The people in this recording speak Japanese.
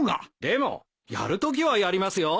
でもやるときはやりますよ。